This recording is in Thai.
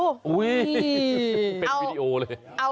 อุ๊ยอ้าวเป็นวีดีโอเลย